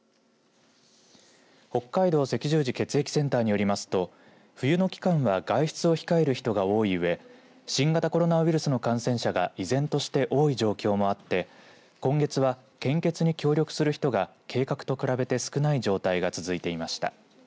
北海道赤十字血液センターによりますと冬の期間は外出を控える人が多いうえ新型コロナウイルスの感染者が依然として多い状況もあって今月は献血に協力する人が計画と比べて少ない状態が続いていました。